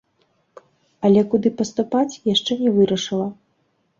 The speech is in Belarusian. Але куды паступаць, яшчэ не вырашыла.